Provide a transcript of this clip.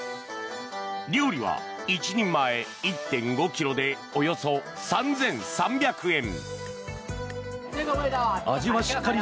料理は１人前１．５ｋｇでおよそ３３００円。